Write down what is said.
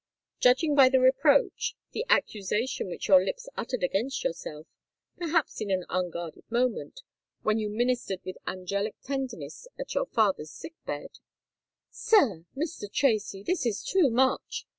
"Judging by the reproach—the accusation which your lips uttered against yourself—perhaps in an unguarded moment—when you ministered with angelic tenderness at your father's sick bed——" "Sir—Mr. Tracy, this is too much!"